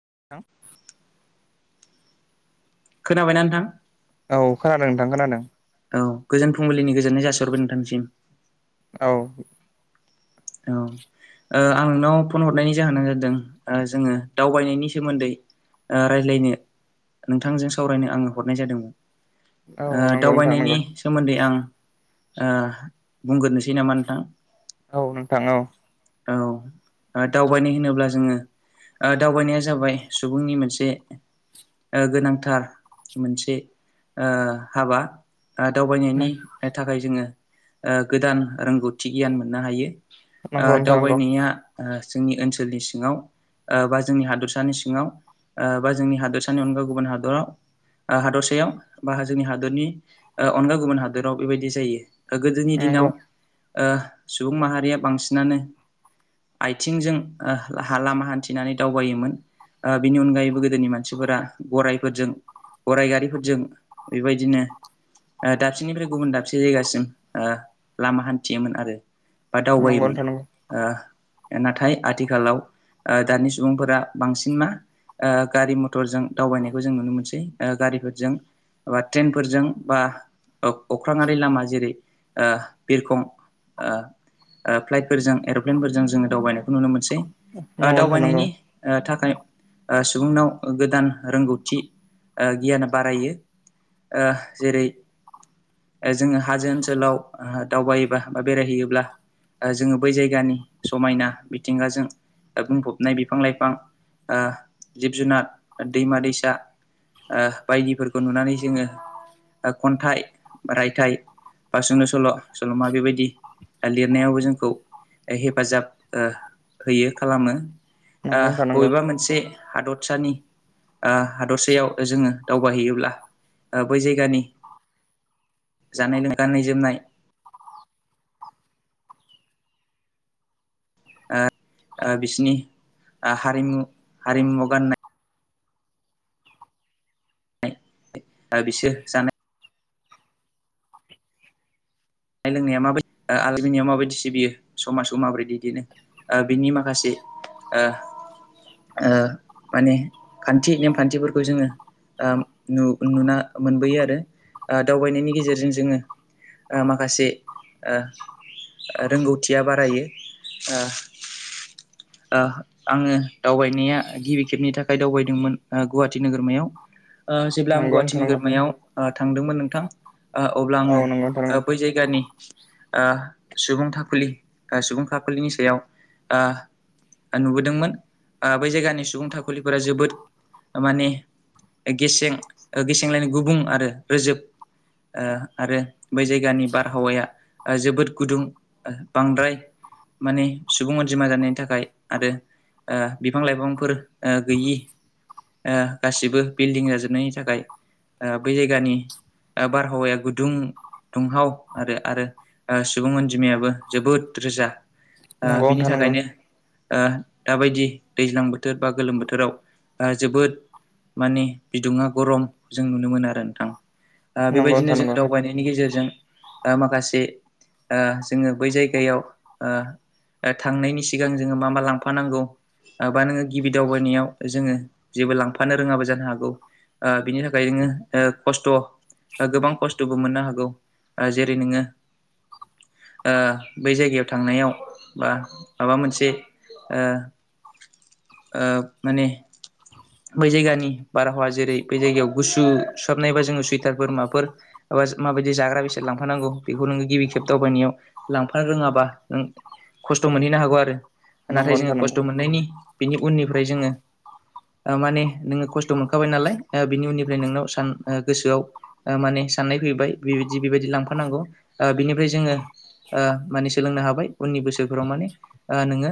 [unintelligible] खोनाबायना नोंथां? औ खोनादों नोंथां खोनादों। औ गोजोन फुंबिलिनि गोजोननाय जासिहरबाय नोंथांनिसिम। औ औ आं नोंनाव फन हरनायनि जाहोना जादों जोङो दावबायनायनि सोमोन्दै रायज्लायनो नोंथांजों सावरायनो आङो हरनाय जादों औ नंगौ नोंथां दावबायनायनि नंगौ सोमोन्दै आं बुंग्रोनोसै नामा नोंथां औ नोंथां औ औ दावबायनाय होनोब्ला जोङो दावबायनाया जाबाय सुबुंनि मोनसे गोनांथार मोनसे हाबा दावबायनायनि थाखाय जोङो गोदान रोंगौथि गियान मोननो हायो नंगौ नोंथां नंगौ दावबायनाया जोंनि ओनसोलनि सिङाव बा जोंनि हादरसानि सिङाव बा जोंनि हादोरसानि अनगा गुबुन हादराव हादरसायाव बा जोंनि हादरनि अनगा गुबुन हादोराव बेबायदि जायो गोदोनि दिनाव नंगौ सुबुं माहारिया बांसिनानो आथिंजों लामा हान्थिनानै दावबायोमोन बिनि अनगायैबो गोदोनि मानसिफोरा गराइफोरजों गराइ गारिफोरजों बेबायदिनो दाबसेनिफ्राय गुबुन दाबसे जायगासिम लामा हान्थियोमोन आरो बा नंगौ दावबायोमोन नाथाय आथिखालाव दानि सुबुंफोरा बांसिन मा गारि मथरजों दावबायनायखौ जों नुनो मोनसै गारिफोरजों बा ट्रेनफोरजों बा अख्राङारि लामा जेरै बिरखं फ्लाइटफोरजों एर'प्लेनफोरजों जोङो दावबायनायखौ नुनो मोनसग नोंथां नंगौ दावबायनायनि थाखाय सुबुंनाव गोदान रोंगौथि गियाना बारायो जेरै जोङो हाजो ओनसोलाव दावबायोबा बा बेरायहैयोब्ला जोङो बै जायगानि समायना मिथिंगाजों बुंफबनाय बिफां लाइफां जिब जुनार दैमा दैसा बायदिफोरखौ नुनानै जोङो खन्थाइ रायथाइ बा सुंद' सल' सल'मा बेबायदि लेरनायावबो जोंखौ हेफाजाब होयो खालामो नंगौ नोंथां नंगौ बबेबा मोनसे हादरसानि हादरसायाव जोङो दावबायहैयोब्ला बै जायगानि जानाय गाननाय जोमनाय बिसिनि हारिमु हारिमु गाननाय बिसोर जानाय जानाय लोंनाया माबायदि आरो जोंनियाव माबायदि सिबियो समाजाव माबायदि बिदिनो बिनि माखासे माने खान्थि नेमखान्थिफोरखौ जोङो नुना मोनबोयो आरो दावबायनायनि गेजेरजों जोङो माखासे माखासे रोंगौथिया बारायो आङो दावबायनाया गिबि खेबनि थाखाय दावबायदोंमोन गुवाहाटि नोगोरमायाव जेब्ला आं नंगौ गुवाहाटि नोंथां नंगौ नोगोरमायाव थांदोंमोन नोंथां अब्ला आङो बै जायगानि सुबुं सुबुं थाखाखुलि सुबुं थाखाखुलिनि सायाव [inaudible] नुबोदोंमोन बै जायगानि सुबुं थाखुलिफोरा जोबोद माने गेसे गेसेंलायनि गुबुं आरो रोजोब आरो बै जाय गानि बारहावाया जोबोद गुदुं बांद्राय माने सुबुं अनजिमा जानायनि थाखाय आरो बिफां लाइफांफोर ओ गैयि गासिबो बिल्डिं जाजोबनायनि थाखाय बै जायगानि बारहावाया गुदुं दुंहाव आरो आरो सुबुं अनजिमायाबो जोबोद रोजा। ओ नंगौ बिनि नोंथां नंगौ थाखायनो। ओ दाबायदि दैज्लां बोथोर बा गोलोम बोथोराव जोबोद माने बिदुुङा गरम जों नुनो मोनो आरो नोंथां। आ औ नंगौ बेबायदिनो नोंथां नंगौ नोंथां जोङो नंगौ दावबायनायनि गेजेरजों आ माखासे ओ जोङो बै जायगायाव ओ ओ थांनायनि सिगां जोङो मा मा लांफानांगौ? ओ बा नोङो गिबि दावबायनायाव जोङो जेबो लांफानो रोङाबो जानो हागौ। ओ बिनि थाखाय नोङो खस्थ' गोबां खस्थ'बो मोननो हागौ। ओ जेरै नोङो ओ बै जायगायाव थांनायाव बा माबा मोनसे ओ ओ माने बै जायगानि बारहावा जेरै बे जायगायाव गुसु सुहाबनाय बा जोङो सुइटारफोर माफोर ओज माबायदि जाग्रा बेसाद लांफानांगौ बेखौ नोङो गिबि खेब दावबायनायाव लांफा रोङाबा नों खस्थ' मोनहैनो हागौ आरो नंगौ नाथाय जोङो नोंथां नंगौ नोंथां नंगौ खस्थ' मोननायनि बेनि उननिफ्राय जोङो ओ माने नोङो खस्थ' मोनखाबाय नालाय बिनि उननिफ्राय नोंनाव सान गोसोआव माने साननाय फैबाय बिबायदि बेबायदि लांफानांगौ ओ बिनिफ्राय जोङो ओ माने सोलोंनो हाबाय उननि बोसोरफोराव माने ओ नोङो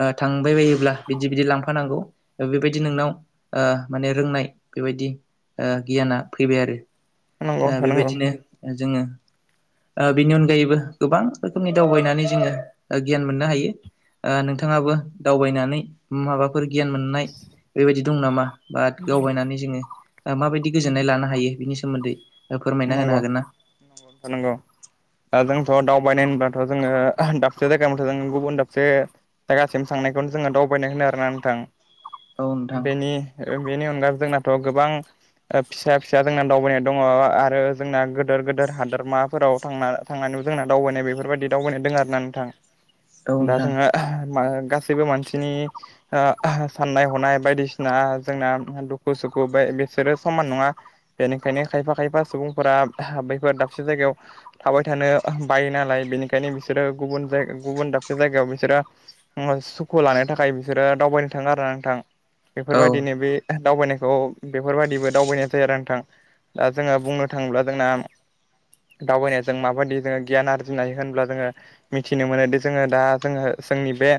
ओ थांबाय बायोब्ला बिदि बिदि लांफानांगौ बेबायदि नोंनाव ओ माने रोंनाय बेबायदि ओ गियाना फैबाय आरो। नंगौ ओ नोंथां नंगौ बेबायदिनो जोङो ओ बेनि अनगायैबो गोबां रोखोमनि दावबायनानै जोङो गियान मोननो हायो। ओ नोंथाङाबो दावबायनानै माबा फोर गियान मोननाय बेबायदि दं नामा बाट दावबायनानै जोङो ओ माबायदि गोजोन्नाय लानो हायो बिनि सोमोन्दै नंगौ फोरमायना होनो हागोन ना? नंगौ खानांगौ। दा जोंथ' दावबायनाय होनबाथ' जोङो दाबसे जायगा मथ' जों गुबुन दाबसे जायगासिम थां खौनो जों दावबायनाय होनो आरोना नोंथां बेनि औ - बेनि अनगा जोंनाथ' गोबां ओ फिसा फिसा जोंना दावबायनाय दङ। ओ जोंना गोदोर गोदेर हादोरमाफोराव थांना थांनानैबो जोंना दावबायनाय बेफोरबायदि दावबायनाय दोङो आरो ना नोंथां। दा जोङो नोंथां मा गासैबो मानसिनि ओ साननाय हनाय बायदिसिना जोंना दुखु सुखु बे बिसोरो समान नङा बेनिखायनो खायफा खायफा सुबुंफोरा बैफोर दाबसे जायगायाव थाबाय थानो बायो नालाय बेनिखायनो बिसोरो गुबुन जाय गुबुन दाबसे जायगायाव बिसोरो सुखु लानो थाखाय बिसोरो दावबायनो थाङो आरो ना नोंथां। औ नोंथां औ बेफोरबायदिनो बे दावबायनायखौ बेफोरबायदिबो दावबायनाय जाया आरो ना नोंथां। दा जोङो बुंनो थाङोब्ला जोंना दावबायनायजों माबायदि जोङो गियान आरजिनाय होनब्ला जोङो मिथिनो मोनोदि जोङो दा जोङो जोंनि बे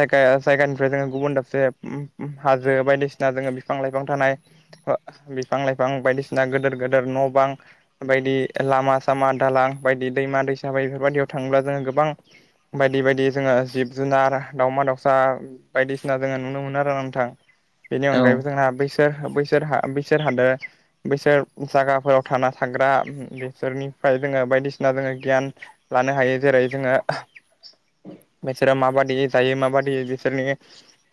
जायगाया जायगानिफ्राय जोङो गुबुन दाबसे ओम ओम हाजो बायदिसिना जोङो बिफां लाइफां थानाय बो बिफां लाइफां बायदिसिना गोदोर गोद दोर न' बां बायदि लामा सामा दालां बायदि दैमा दैसा बायदि बेफोरबायदियाव थाङोब्ला जोङो गोबां बायदि बायदि जोङो जिब जुनार दाावमा दाउसा बायदिसिना जोङो नुनो मोनो आरो। नोंथां बेनि औ अनगायैबो जोंहा बैसोर बैसोर बैसोर हादो बैसोर जागाफोराव थाना थाग्रा बिसोरनिफ्राय जोङो बायदिसिना जोङो गियान लानो हायो जेर जोङो बिसोरो मा बाद बिदि जायो माबादि बिसोरनि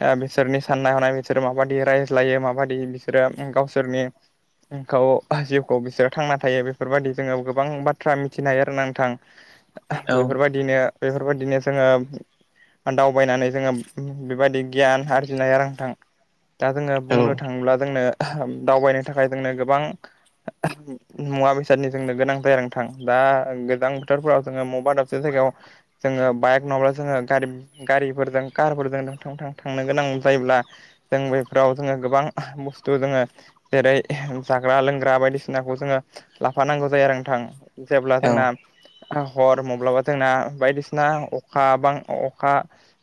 ओ बिसोरनि साननाय हनाय बिसोर माबादि रायज्लायो माबादि बिसोरो गावसोरनिखौ जिउखौ बिसोर थांना थायो बेफोरबायदि जोङो गोबां बाथ्रा मिथिनो हायो आरो ना नोंथां। बेफोरबायदिनो - बेफोरबायदिनो जोङो दावबायनानै जोङो बेबायदि गियान आरजिनाया आरो नोंथां। दा जोङो बुंनो थाङोब्ला जोंनो दावबायनो थाखाय जोंनो गोबां [inaudible] मुवा बेसादनि जोंनो गोनां जायो आरो नोंथां दा गोजां बोथोरफोराव जोङो मबा दाबसे जायगायाव जोङो बाइक नङाब्ला जोङो गारि गारिफोरजों कारफोरजों थां - थां - थांनो गोनां जायोब्ला जों बेफोराव जोङो गोबां बुस्थु जोङो जेरै जा जाग्रा लोंग्रा बायदिसिनाखौ जोङो लाफानांगौ जायो आरो नोंथां जेब्ला जोंना हर माब्लाबा जोंना बायदिसिना अखा बां अखा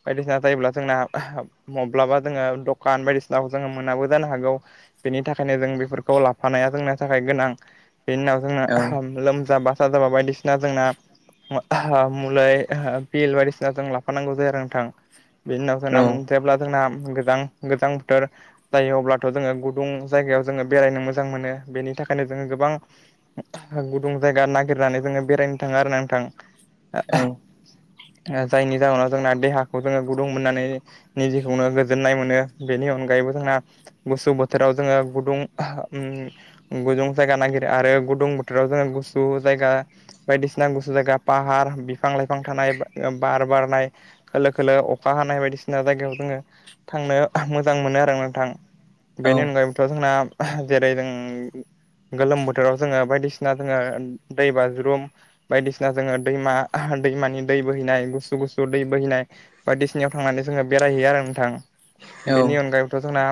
बायदिसिना जायोब्ला जोंना माब्लाबा जोङो दखान बायदिसिनाखौ जोङो मोनाबो जानो हागौ बेनि थाखायनो जों बेफोरखौ ला थानाया जोंनि थाखाय गोनां बेनि उनाव जोंना औ लोमजाबा साजाबा बायदिसिना जोंना मुलाय बिल बायदिसिना जों लाफानांगौ जायो आरो नोंथां बिनि उनाव जों औ जेब्ला जोंना गोजां गोजां बोथोर जायो अब्लाथ' जोङो गुदुं जायगायाव जोङो बेरायनो मोन मोजां मोनो बेनि थाखायनो जोङो गोबां गुदुं जायगा नागिरनानै जोङो बेरायनो थाङो आरो नोंथां आं [inaudible] औ जायनि जाहोनाव जोंना देहाखौ जोङो गुदुं मोननानै निजेखौनो गोजोननाय मोनो बेनि उनाव अनगायैबो जोंना गुसु बोथोराव जोङो गुदुं गुदुं जायगा नागिरो आरो गुदुं बोथोराव जोङो गुसु जायगा बायदिसिना गुसु जाया फाहार बिफां लाइफां थानाय बार बारनाय खोलो खोलो अखा हानाय बायदिसिना जा थांनों मोजां मोनो आरो नोंथां बेनि अनगायैबोथ' जोंना जेरै जों गोलोम बोथोराव जोङो बायदिसिना जोङो दै बाज्रुम बायदिसिना जोङो दैमा दैमानि दै बोहैनाय गुसु गुसु दै बोहैनाय बायदिसिनायाव थांनानै जोङो बेरायहैयो आरो नोंथां औ बेनि अनगायैथ जोंना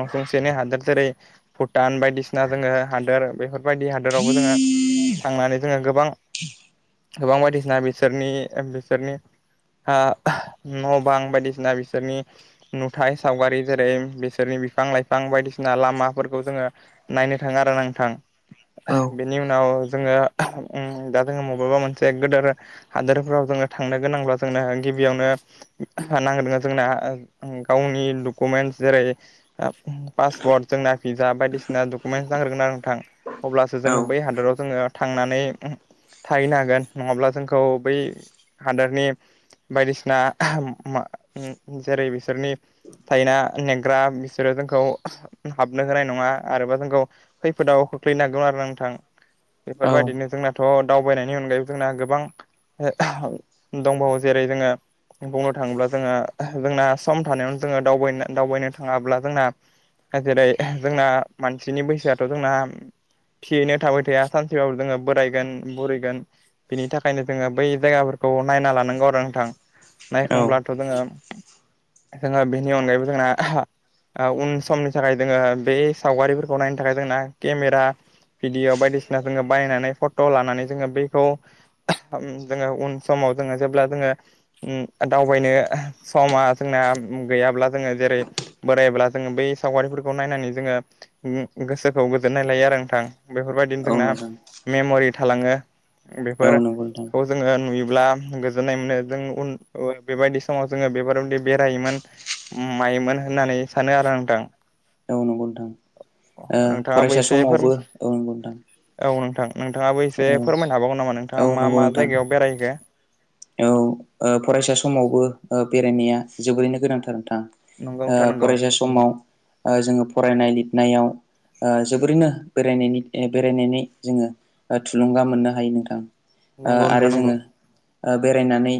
नसुंसेनि हादर जेरै भुटान बायदिसिना जोङो हादोर बेफोरबायदि हादोरावबो जोङो थांनानै जोङो गोबां गोबां बायदिसिना बिसोरनि बिसोरनि आं न' बां बायदिसिना बिसोरनि नुथाय सावगारि जेरै बिसोरनि बिफां लाइफां बायदिसिना लामा फोरखौ जोंङो नायनो थांङो आरो नोंथां औ बेनि उनाव जोङो उम दा जोङो मबेबा मोनसे गोदोर हादोरफ्राव जोङो थांनो गोनांब्ला जोंनो गिबियावनो नांदों जोंना गावनि डकुमेन्ट जेरै पास पासपर्ट जोंना भिजा बायदिसिना डकुमेन्टस नांग्रोगोन आरो नोंथां अब्लासो जोङो बै हादराव जोङो थांनानै थाहैनो हागोन नङाब्ला जोंखौ बै हादोरनि बायदिसिना जेरै बिसोरनि थायोना नेग्रा बिसोरो जोंखौ हाबनो होनाय नङा आरोबा जोंखौ खैफोदाव खोख्लैनो हागौ आरोना नोंथां बेफोरबायदिनो जोंनाथ' दावबायनायनि अनगायैबो जोंना गोबां दंबावो जेरै जोङो बुंनो थाङोब्ला जोङो जोंना सम थानायावनो जोङोवबायनो दावबायनो थाङाब्ला जोंना जेरै जोंना मानसिनि बैसोआथ जोंना थिगैनो थाबाय थाया सानसेबाबो जोंङो बोरायगोन बुरिगोन बिनि थाखायनो जोंङो बै जायगा खौ नायना लानांगौ आरो नोंथां औ नायखांब्लाथ' जोङो जोङो बेनि अनगायैबो जोंना उन समनि थाखाय जोङो बे सावगारिफोरखौ नायनो थाखाय जोंना केमेरा भिदिअ' बायदिसिना जोङो बायनानै फट लानानै जोङो बेखौ उम जोङो उन समाव जोंङो जेब्ला जोंङो दावबायनो समा जोंना गैयाब्ला जोंङो जेरै बोरायोब्ला जोङो बै सावगारिफोरखौ नायनानै जोङो गोसोखौ गोजोननाय लायो आरो नोंथां बेफोरबायदिनो औ जोंना नोंथां मेमरि थालाङो औ नंगौ नोंथां बेफोरखौ जोङो नुयो ब्ला गोजोननाय मोनो जों उन बेबायदि समाव जोङो बेफोरबादि बेरायोमोन उम थायोमोन होननानै सानो आरो नोंथां। औ नंगौ नोंथां ओ नोंथाङा फरायसा बैसेफोर समावबो नंगौ नोंथां औ नोंथां। नोंथाङाबो एसे औ फोरमायनो हाबावगौ नामा औ नोंथाङा मा नंगौ मा नोंथां जायगायाव बेरायहैखो? औ ओ फरायसा समावबो ओ बेरायनाया जोबोरैनो गोनांथार नोंथां। नंगौ ओ नोंथां नंगौ फरायसा समाव ओ जोङो फरायनाय लिरनायाव ओ जोबोरैनो बेरायनायनि बेरायनायनि जोङो थुलुंगा मोननो हायो नोंथां। ओ नंगौ नोंथां आरो नंगौ जोङो बेरायनानै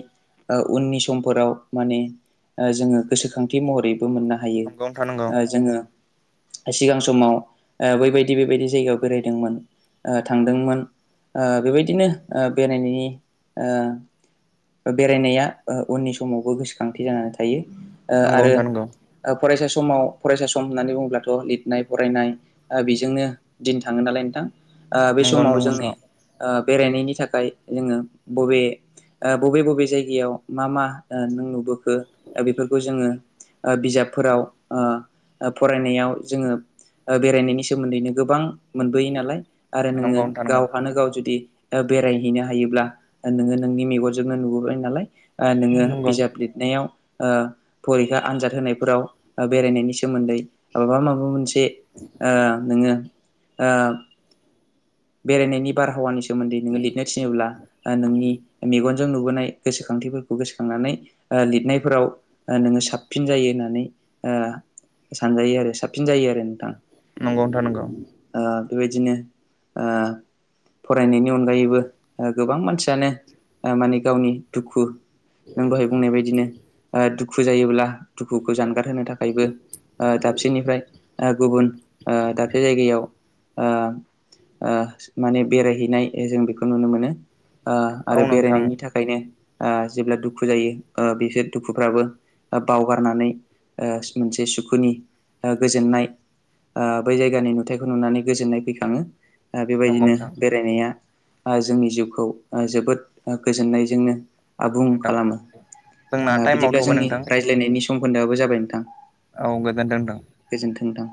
ओ उननि समफोराव माने जोङो गोसोखांथि महरै बो मोननो हायो नंगौ नोंथां नंगौ ओ जोङो। सिगां समाव ओ बैबायदि बेबायदि जायगायाव बेरायदोंमोन थांदोंमोन बेबायदिनो बेरायनायनि ओ बेरायनाया उननि समावबो गोसोखांथि जानानै थायो ओ नंगौ आरो नोंथां फरायसा समाव फरायसा सम होननानै बुङोब्लाथ' लिरनाय फरायनाय बेजोंनो दिन थाङो नालाय नोंथां। आं बे समाव जोङो बेरायनायनि थाखाय जोङो बबे ओ बबे बबे जायगायाव मा मा नों नुबोखो बेफोरखौ जोङो ओ बिजाबफोराव ओ फरायनायाव जोङो बेरायनायनि सोमोन्दैनो गोबां मोनबोयो नालाय आरो नोङो नंगौ नंगौ नोंथां नंगौ गावहानो गाव जुदि बेरायहैनो हायोब्ला नोङो नोंनि मेगनजोंनो नुबोबाय नालाय नोङो नोंथां बिजाब लिरनायाव ओ फरिखा आनजाद होनायफोराव बेरायनायनि सोमोन्दै माबा माबा मोनसे ओ नोङो बेरायनायनि बारहावानि सोमोन्दै नोङो लिरनो थिनोब्ला नोंनि मेगन जों नुबोनाय गोसोखांथिफोरखौ गोसोखांनानै लिरनायफोराव नोङो साबसिन जायो होननानै सानजायो आरो साबसिन जायो आरो नोंथां। नंगौ नोंथां नंगौ। ओ बेबायदिनो ओ फरायनायनि अनगायैबो गोबां मानसियानो माने गावनि दुखु नों दहाय बुंनाय बायदिनो दुखु दुखु जायोब्ला दुखुखौ जानगार होनो थाखायबो दाबसेनिफ्राय गुबुन ओ दाबसे जायगायाव ओ ओ माने बेरायहैनाय जों बेखौ नुनो मोनो नंगौ नोंथां नंगौ आरो औ नोंथां बेरायनायनि थाखायनो ओ जेब्ला दुखु जायो बिसोर दुखुफ्राबो बावगारनानै ओ मोनसे सुखुनि गोजोननाय ओ बै जायगानि नुथायखौ नुनानै गोजोननाय फैखाङो। ओ नंगौ बेबायदिनो नोंथां बेरायनाया जोंनि जिउखौ जोबोद गोजोननायजोंनो आबुं नोंथां खालामो जोंना ओ टाइमाव बिदिब्ला थौबाय जोंनि नोंथां रायज्लायनायनि समखोन्दोआबो जाबाय नोंथां। औ गोजोन्थों ओंथां। थां।